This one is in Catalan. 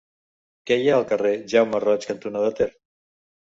Què hi ha al carrer Jaume Roig cantonada Ter?